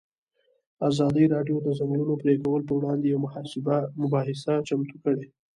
ازادي راډیو د د ځنګلونو پرېکول پر وړاندې یوه مباحثه چمتو کړې.